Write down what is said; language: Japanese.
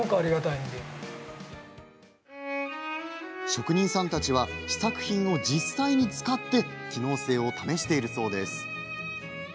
職人さんたちは試作品を実際に使って機能性を試しているそうです。